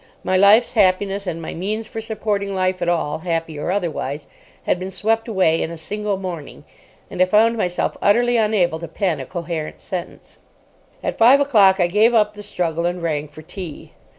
My life's happiness and my means for supporting life at all, happy or otherwise, had been swept away in a single morning; and I found myself utterly unable to pen a coherent sentence. At five o'clock I gave up the struggle, and rang for tea.